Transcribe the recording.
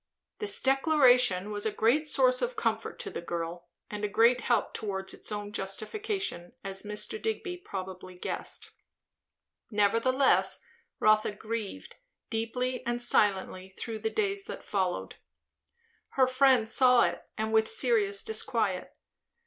This declaration was a source of great comfort to the girl, and a great help towards its own justification; as Mr. Digby probably guessed. Nevertheless Rotha grieved, deeply and silently, through the days that followed. Her friend saw it, and with serious disquiet.